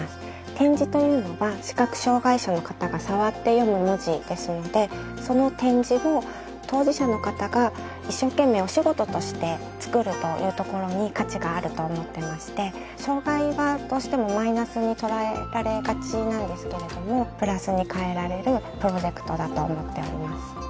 点字というのは視覚障がい者の方が触って読む文字ですのでその点字を当事者の方が一生懸命お仕事として作るというところに価値があると思ってまして障がいはどうしてもマイナスに捉えられがちなんですけれどもプラスに変えられるプロジェクトだと思っております